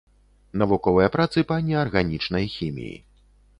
Навуковыя працы па неарганічнай хіміі.